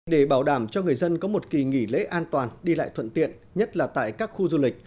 để bảo đảm cho người dân có một kỳ nghỉ lễ an toàn đi lại thuận tiện nhất là tại các khu du lịch